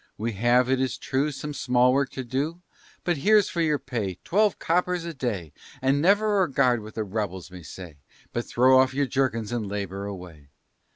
We have, it is true, Some small work to do; But here's for your pay, twelve coppers a day, And never regard what the rebels may say, But throw off your jerkins and labor away.